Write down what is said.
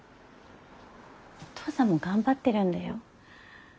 お父さんも頑張ってるんだよ。